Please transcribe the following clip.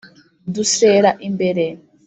Dusera imbere